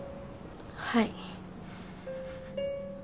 はい。